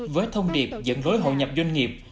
với thông điệp dẫn đối hội nhập doanh nghiệp